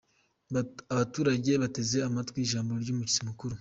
Abaturage bateze amatwi ijambo ry'umushyitsi mukuru.